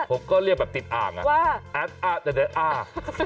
ผมก็เรียกแบบติดอ่างว่าแอดอ้าเตอร์เดอร์อ้า